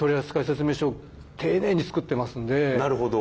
なるほど。